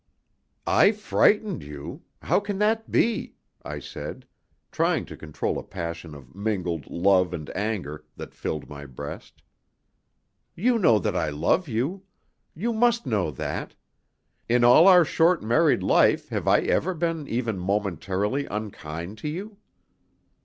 "I frightened you! How can that be?" I said, trying to control a passion of mingled love and anger that filled my breast. "You know that I love you. You must know that. In all our short married life have I ever been even momentarily unkind to you?